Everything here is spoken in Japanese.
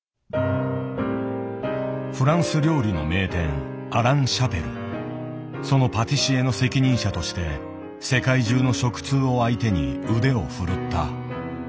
フランス料理の名店そのパティシエの責任者として世界中の食通を相手に腕を振るった。